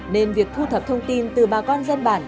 nên việc thu thập thông tin từ bà con dân bản